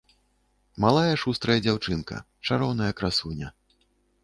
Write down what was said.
Малая шустрая дзяўчынка, чароўная красуня.